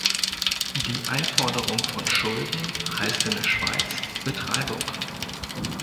Die Einforderung von Schulden heisst in der Schweiz Betreibung.